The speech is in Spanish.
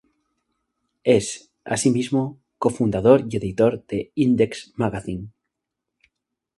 Es, asimismo, cofundador y editor de Index Magazine.